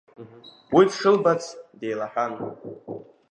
Уи дшылбац деилаҳәан.